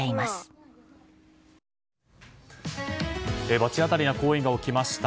罰当たりな行為が起きました。